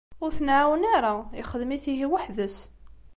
Ur t-nεawen ara, ixdem-it ihi weḥd-s.